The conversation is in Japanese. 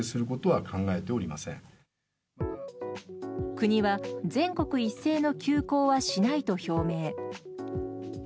国は全国一斉の休校はしないと表明。